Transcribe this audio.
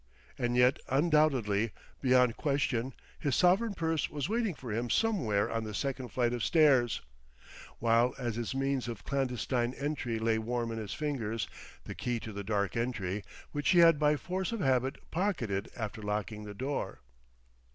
And yet, undoubtedly, beyond question! his sovereign purse was waiting for him somewhere on the second flight of stairs; while as his means of clandestine entry lay warm in his fingers the key to the dark entry, which he had by force of habit pocketed after locking the door.